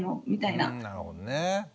なるほどね。